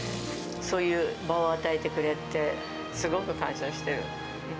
そういう場を与えてくれて、すごく感謝してる。